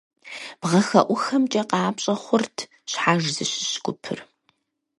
Бгъэхэӏухэмкӏэ къапщӏэ хъурт щхьэж зыщыщ гупыр.